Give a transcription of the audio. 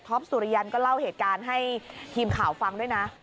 สุริยันก็เล่าเหตุการณ์ให้ทีมข่าวฟังด้วยนะ